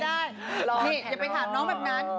นี่อย่าไปถามน้องแบบนั้น